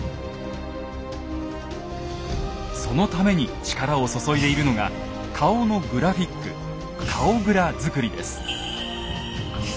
そのために力を注いでいるのが顔のグラフィック「顔グラ」作りです。